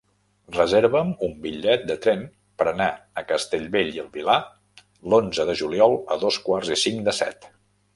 Reserva'm un bitllet de tren per anar a Castellbell i el Vilar l'onze de juliol a dos quarts i cinc de set.